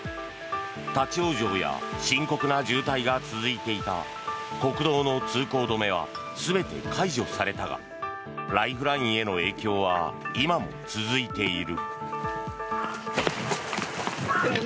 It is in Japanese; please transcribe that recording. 立ち往生や深刻な渋滞が続いていた国道の通行止めは全て解除されたがライフラインへの影響は今も続いている。